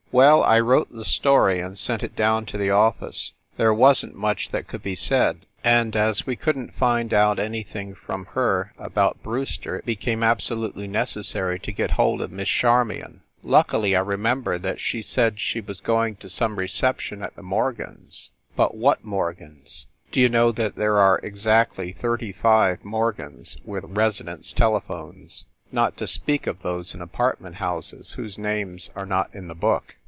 "Well, I wrote the story and sent it down to the office there wasn t much that could be said, and 306 FIND THE WOMAN as we couldn t find out anything from her about Brewster it became absolutely necessary to get hold of Miss Charmion. Luckily I remembered that she said she was going to some reception at the Mor gans . But what Morgan s? D you know that there are exactly thirty five Morgans with residence telephones, not to speak of those in apartment houses whose names are not in the book?